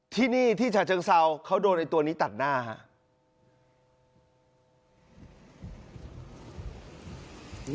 ที่นี่ที่ฉาเจิงเซาเค้าโดนตัวนี้ตัดหน้าค่ะ